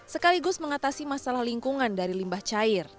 sekaligus mengatasi masalah lingkungan dari limbah cair